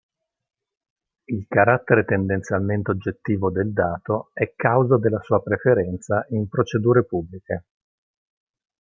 Il carattere tendenzialmente oggettivo del dato è causa della sua preferenza in procedure pubbliche.